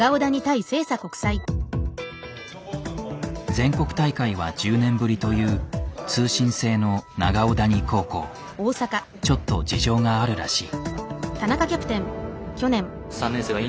全国大会は１０年ぶりという通信制のちょっと事情があるらしい。